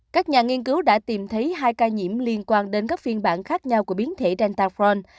các nhà nghiên cứu đã tìm thấy hai ca nhiễm liên quan đến các phiên bản khác nhau của biến thể danta forn